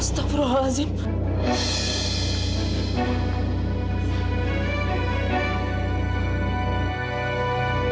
kita bisa sangkut kita malah saja sekarang kan